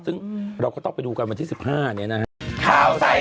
ซึ่งเราก็ต้องไปดูกันวันที่๑๕เนี่ยนะฮะ